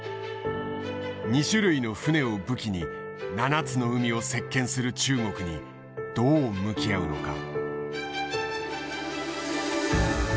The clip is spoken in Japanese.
２種類の船を武器に７つの海を席けんする中国にどう向き合うのか。